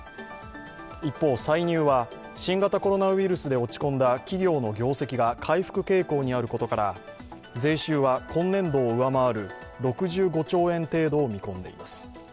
一方歳入は、新型コロナウイルスで落ち込んだ企業の業績が回復傾向にあることから、税収は今年度を上回る６５兆円程度を見込んでいます。